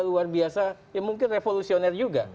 luar biasa ya mungkin revolusioner juga